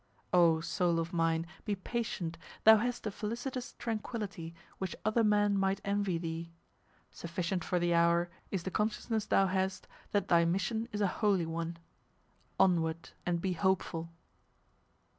O soul of mine, be patient, thou hast a felicitous tranquillity, which other men might envy thee! Sufficient for the hour is the consciousness thou hast that thy mission is a holy one! Onward, and be hopeful!